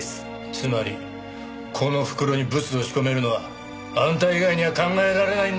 つまりこの袋にブツを仕込めるのはあんた以外には考えられないんだよ！